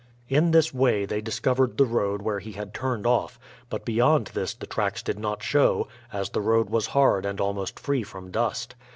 In this way they discovered the road where he had turned off; but beyond this the tracks did not show, as the road was hard and almost free from dust.